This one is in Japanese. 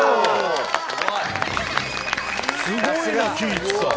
すごいな！